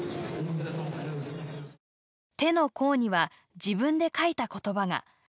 手の甲には自分で書いた言葉が。